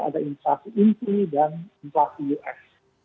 ada inflasi inti dan inflasi ux